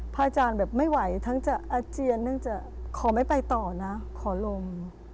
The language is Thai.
อาจารย์แบบไม่ไหวทั้งจะอาเจียนทั้งจะขอไม่ไปต่อนะขอลม